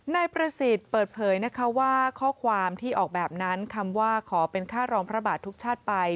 นายประสิทธิ์เปิดเผยนะคะว่าข้อความที่ออกแบบนั้นคำว่าขอเป็นค่ารองพระบาททุกชาติไป